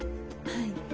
はい。